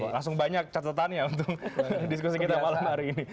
langsung banyak catatannya untuk diskusi kita malam hari ini